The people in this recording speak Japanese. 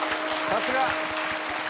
さすが。